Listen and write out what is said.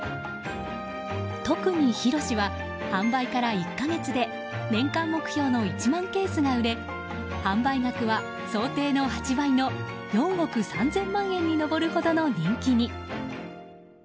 特にひろしは、販売から１か月で年間目標の１万ケースが売れ販売額は想定の８倍の４億３０００万円に上るほどの人気に。